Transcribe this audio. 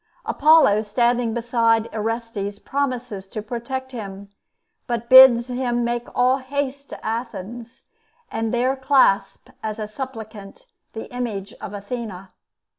Apollo, standing beside Orestes, promises to protect him, but bids him make all haste to Athens, and there clasp, as a suppliant, the image of Athena.